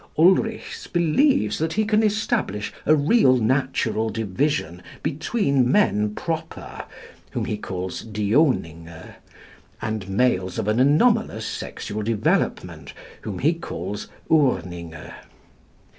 Ulrichs believes that he can establish a real natural division between men proper, whom he calls Dioninge, and males of an anomalous sexual development, whom he calls Urninge.